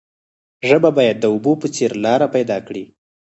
ژبه باید د اوبو په څیر لاره پیدا کړي.